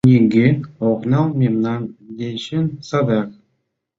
Нигӧ ок нал мемнан дечын садак.